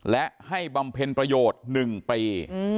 และให้บำเพ็ญประโยชน์๑ปี